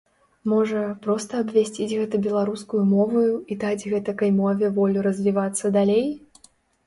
Можа, проста абвясціць гэта беларускаю моваю і даць гэтакай мове волю развівацца далей?